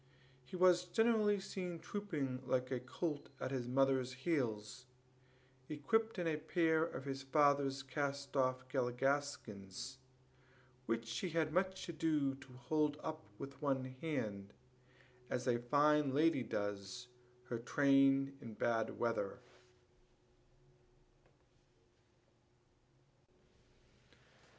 He was generally seen trooping like a colt at his mother's heels, equipped in a pair of his father's cast off galligaskins, which he had much ado to hold up with one hand, as a fine lady does her train in bad weather.